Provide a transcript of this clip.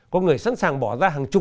có người sẵn sàng bỏ ra hàng chục